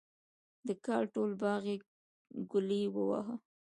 د کال ټول باغ یې ګلي وواهه.